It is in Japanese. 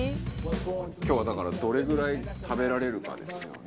今日はだからどれぐらい食べられるかですよね。